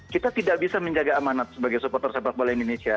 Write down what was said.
kita tidak bisa menjaga amanat sebagai supporter sepak bola indonesia